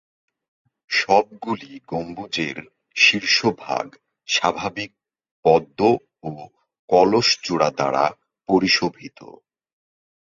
সবগুলি গম্বুজের শীর্ষভাগ স্বাভাবিক পদ্ম ও কলস চূড়া দ্বারা পরিশোভিত।